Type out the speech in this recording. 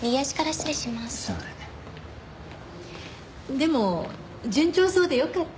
でも順調そうでよかった。